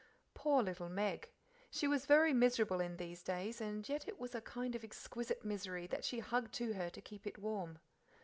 Poor little Meg! She was very miserable in these days, and yet it was a kind of exquisite misery that she hugged to her to keep it warm.